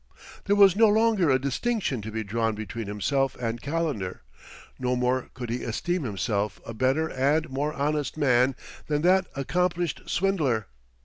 There was no longer a distinction to be drawn between himself and Calendar; no more could he esteem himself a better and more honest man than that accomplished swindler.